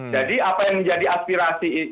jadi apa yang menjadi aspirasi